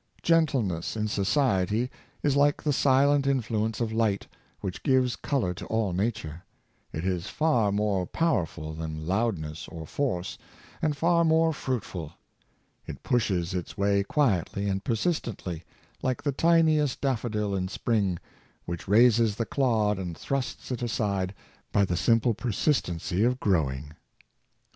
Gentleness in society is like the silent influence of light, which gives color to all nature; it is far more powerful than loudness or force, and far more fruitful. It pushes its way quietly and persistently, like the tiniest daffodil in spring, which raises the clod and thrusts it aside by the simple persistency of growing.